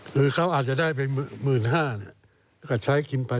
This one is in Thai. หรือเขาอาจจะได้ไป๑๕๐๐บาทก็ใช้กินไป